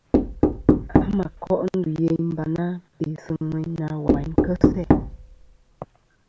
A mà koʼ ndù yeyn Barna, be na wayn nɨn kesi a.